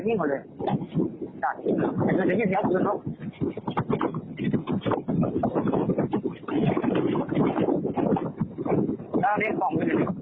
นี่คือหน้าที่สอง